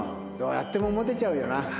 どうやってもモテちゃうよな。